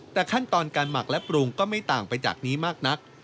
แต่ขั้นตอนการหมักและปรุงก็ไม่ต่างไปจากนี้มากนัก